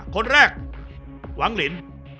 คนแรกหวังลิน